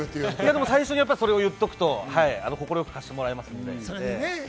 最初にそれを言っておくと、快く貸してもらえますので。